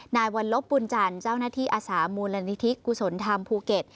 นายวัลลบบุญจันทร์เจ้าหน้าที่อาสามูลนิธิกุศลธรรมภูเก็ต